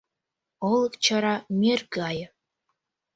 Олык чара мӧр гае.